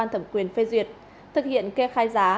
tổng quyền phê duyệt thực hiện kê khai giá